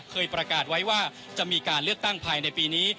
เคยประกาศไว้ว่าจะมีการเลือกตั้งภายในปีนี้